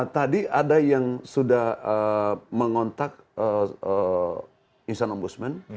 tadi ada yang sudah mengontak insan ombudsman